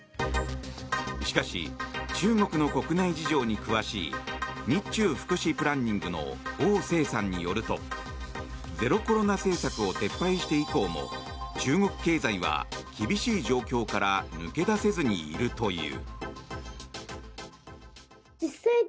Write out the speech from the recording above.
しかし、中国の国内事情に詳しい日中福祉プランニングのオウ・セイさんによるとゼロコロナ政策を撤廃して以降も中国経済は、厳しい状況から抜け出せずにいるという。